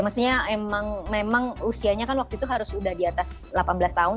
maksudnya memang usianya kan waktu itu harus udah di atas delapan belas tahun